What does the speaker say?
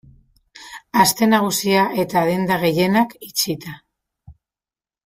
Aste Nagusia eta denda gehienak itxita.